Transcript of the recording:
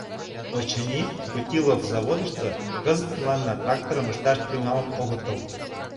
Очыни, «Путилов» заводышто кызыт мыланна тракторым ышташ тӱҥалын огытыл.